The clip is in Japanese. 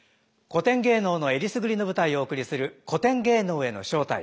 古典芸能の選りすぐりの舞台をお送りする「古典芸能への招待」。